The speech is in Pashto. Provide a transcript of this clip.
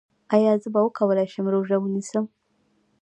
ایا زه به وکولی شم روژه ونیسم؟